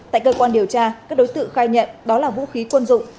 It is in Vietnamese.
tại cơ quan điều tra các đối tượng khai nhận đó là vũ khí quân dụng